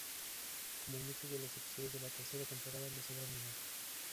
Como en muchos de los episodios de la tercera temporada, le sobran minutos.